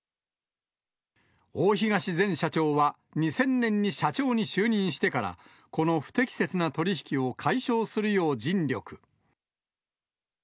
大東前社長は、２０００年に社長に就任してから、この不適切な取り引きを解消するよう尽力。